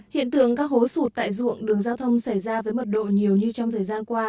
hiện tượng các hố sụt tại ruộng đường giao thông xảy ra với mật độ nhiều như trong thời gian qua